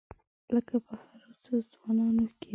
لکه په هرو څو ځوانانو کې.